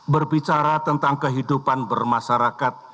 berbicara tentang kehidupan bermasyarakat